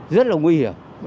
rất là nguy hiểm